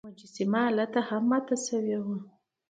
مجسمه هلته هم ماته شوې وه.